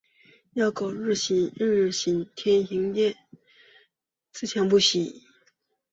要苟日新，日日新。要天行健，自强不息。